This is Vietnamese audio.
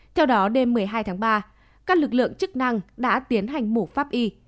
theo đó đêm một mươi hai tháng ba các lực lượng chức năng đã tiến hành mũ pháp y